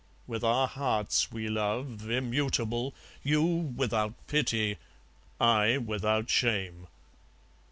With our hearts we love, immutable, You without pity, I without shame.